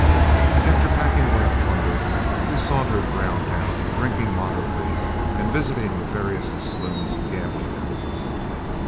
After packing away our plunder, we sauntered around town, drinking moderately, and visiting the various saloons and gambling houses.